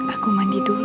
aku mandi dulu